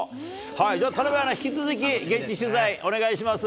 じゃあ田辺アナ、引き続き現地取材お願いします。